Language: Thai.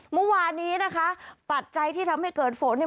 เมื่อวานนี้นะคะปัจจัยที่ทำให้เกิดฝนเนี่ย